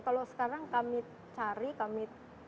kalau sekarang kami cari kami